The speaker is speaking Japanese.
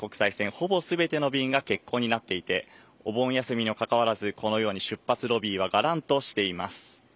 ほぼすべての便が欠航になっていて、お盆休みにもかかわらず、このように出発ロビーはがらんとしています。